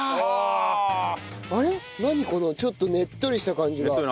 何このちょっとねっとりした感じが。